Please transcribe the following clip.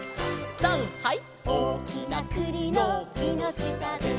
さんはい！